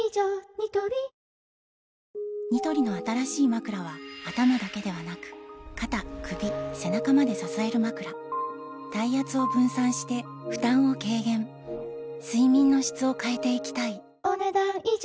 ニトリニトリの新しいまくらは頭だけではなく肩・首・背中まで支えるまくら体圧を分散して負担を軽減睡眠の質を変えていきたいお、ねだん以上。